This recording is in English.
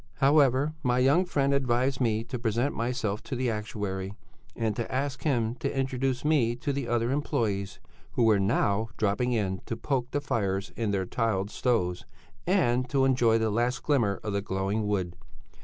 However, my young friend advised me to present myself to the actuary and ask him to introduce me to the other employés who were now dropping in to poke the fires in their tiled stoves and enjoy the last glimmer of the glowing wood.